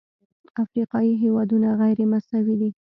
افریقایي هېوادونه غیرمساوي دي.